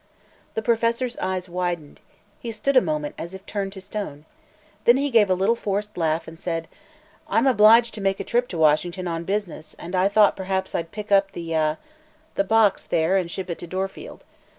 The professor's eyes widened; he stood a moment as if turned to stone. Then he gave a little, forced laugh and said: "I'm obliged to make a trip to Washington, on business, and I thought perhaps I'd pick up the ah the box, there, and ship to Dorfield.